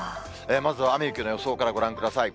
まずは雨雪の予想からご覧ください。